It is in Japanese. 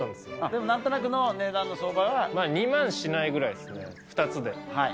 でもなんとなくの値段の相場は、２万しないぐらいですね、２つで。